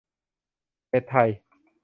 เน็ตไทย